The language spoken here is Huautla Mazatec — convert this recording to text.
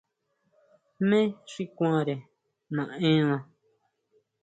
¿Jmé xi kuanre naʼena?